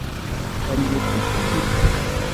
Elle n'est plus payée.